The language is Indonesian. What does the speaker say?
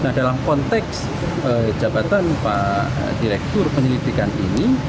nah dalam konteks jabatan pak direktur penyelidikan ini